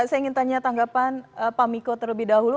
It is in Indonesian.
saya ingin tanya tanggapan pak miko terlebih dahulu